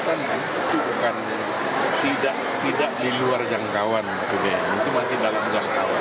kan itu bukan tidak diluar jangkauan apbn itu masih dalam jangkauan